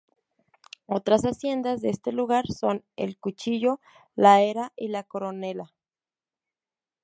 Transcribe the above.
Otras Haciendas de este lugar son: El Cuchillo, La Era y La Coronela.